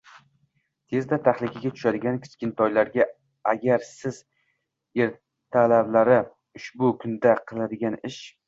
Tezda tahlikaga tushadigan kichkintoylarga agar siz ertalablari ushbu kunda qilinadigan ish